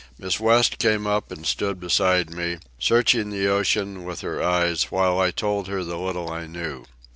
Miss West came up and stood beside me, searching the ocean with her eyes while I told her the little I knew.